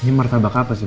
ini matabak apa sih